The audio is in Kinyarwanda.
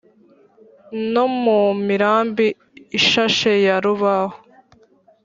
no mu mirambi ishashe ya rubaho